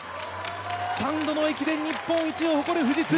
３度の駅伝日本一を誇る富士通。